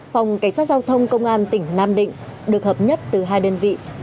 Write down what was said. phòng cảnh sát giao thông công an tỉnh nam định được hợp nhất từ hai đơn vị